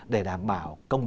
để đảm bảo công ty